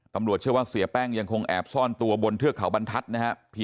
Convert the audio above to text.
ตำรวจเชื่อว่าเสียแป้งยังคงแอบซ่อนตัวบนเทือกเขาบรรทัศน์นะครับ